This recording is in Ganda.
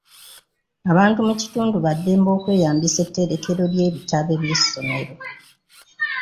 Abantu mu kitundu ba ddembe okweyambisa etterekero ly'ebitabo by'essomero.